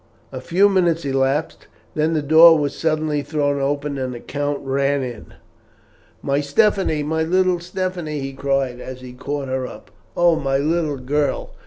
A few minutes elapsed, then the door was suddenly thrown open and the count ran in. "My Stephanie! my little Stephanie!" he cried, as he caught her up. "Oh, my little girl!